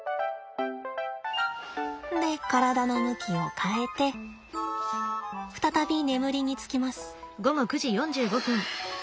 で体の向きを変えて再び眠りにつきます。